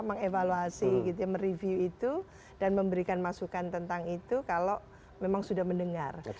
meng evaluasi mereview itu dan memberikan masukan tentang itu kalau memang sudah mendengar